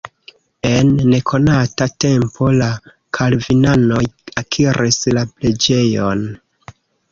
En nekonata tempo la kalvinanoj akiris la preĝejon.